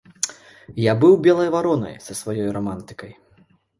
Я быў белай варонай са сваёй рамантыкай.